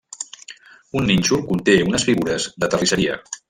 Un nínxol conté unes figures de terrisseria.